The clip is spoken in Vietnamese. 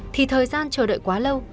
thì thời gian chờ đợi quá lâu